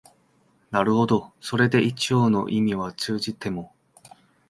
なるほどそれで一応の意味は通じても、